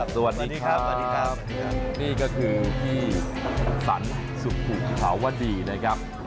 สวัสดีครับนี่ก็คือพี่สันสุภูเขาวัดดีนะครับ